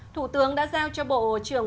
thủ tướng đã giao cho bộ trưởng